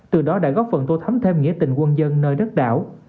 từ đó đã góp phần tô thấm thêm nghĩa tình quân dân nơi đất đảo